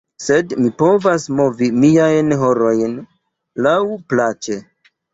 Sed mi povas movi miajn horojn laŭ plaĉe